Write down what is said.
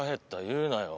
言うなよ。